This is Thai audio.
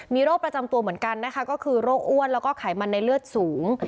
มีโรคประจำตัวเหมือนกันนะคะก็คือโรคอ้วนแล้วก็ไขมันในเลือดสูง